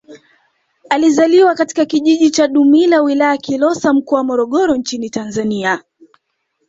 Alizaliwa katika kijiji cha Dumila Wilaya ya Kilosa Mkoa wa Morogoro nchini Tanzania